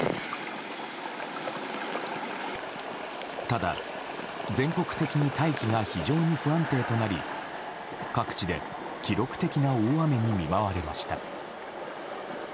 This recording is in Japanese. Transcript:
ただ全国的に大気が非常に不安定となり各地で記録的な大雨に見舞われました。